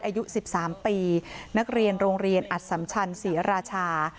อายุ๑๓ปีนักเรียนโรงเรียนอัดสัมชันศรีราชา